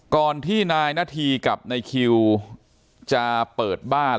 ก่อนที่นายนาธีกับนายคิวจะเปิดบ้าน